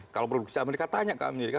kalau produksi amerika tanya ke amerika